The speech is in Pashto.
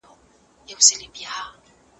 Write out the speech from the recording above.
ستا د دوو سترګو نظر رابانــدي بـار دئ